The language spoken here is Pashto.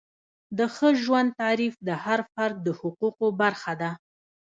د ښه ژوند تعریف د هر فرد د حقوقو برخه ده.